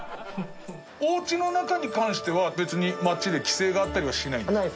おうちの中に関しては別に町で規制があったりはしないんですか？